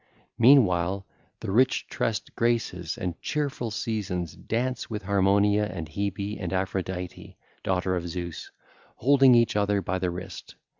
Meanwhile the rich tressed Graces and cheerful Seasons dance with Harmonia and Hebe and Aphrodite, daughter of Zeus, holding each other by the wrist.